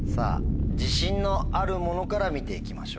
自信のあるものから見て行きましょう。